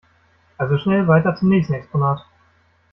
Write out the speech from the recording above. Also schnell weiter zum nächsten Exponat!